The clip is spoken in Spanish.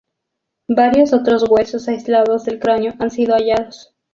Varios otros huesos aislados del cráneo han sido hallados.